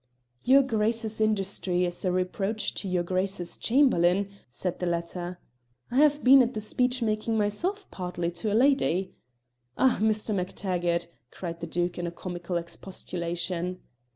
"Your Grace's industry is a reproach to your Grace's Chamberlain," said the latter. "I have been at the speech making myself, partly to a lady." "Ah, Mr. MacTaggart!" cried the Duke in a comical expostulation.